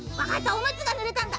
おむつがぬれたんだ。